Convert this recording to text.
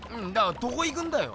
どこ行くんだよ。